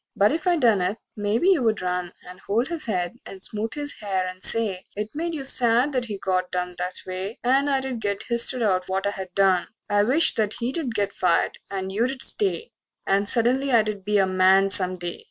But if I done it, maybe you would run And hold his head and smooth his hair and say It made you sad that he got dumped that way, And I'd get h'isted out for what I done I wish that he'd get fired and you'd stay And suddenly I'd be a man some day.